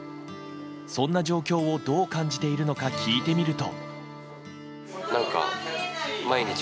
そんな状況をどう感じているのか聞いてみると。